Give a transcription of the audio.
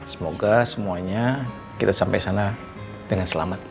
semoga semuanya kita sampai sana dengan selamat